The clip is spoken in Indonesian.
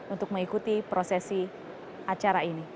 untuk mengikuti prosesi acara ini